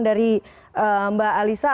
dari mbak alisa